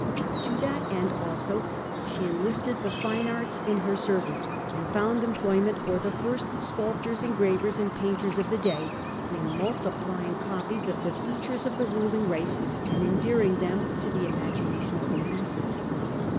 To that end „ 1 . 1 .^• 1 • politic she also enlisted the fine arts in her service, patronage of and found employment for the first sculptors, engravers, and painters of the day in multiplying copies of the features of the ruling race, and endearing them to the imagination of the masses.